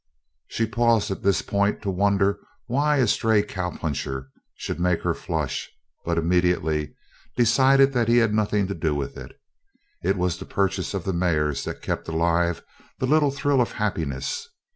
She paused at this point to wonder why a stray cowpuncher should make her flush but immediately decided that he had nothing to do with it; it was the purchase of the mares that kept alive the little thrill of happiness.